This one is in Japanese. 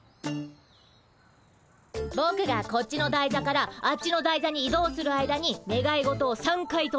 ぼくがこっちの台座からあっちの台座に移動する間にねがい事を３回となえてね。